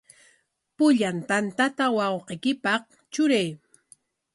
Pullan tantata wawqiykipaq truray.